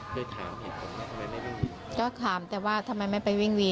ก็จัดให้สามสามเดือนไปไม่ได้ทำให้แค่นี้